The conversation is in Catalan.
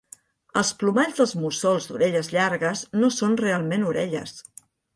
Els plomalls dels mussols d'orelles llargues no són realment orelles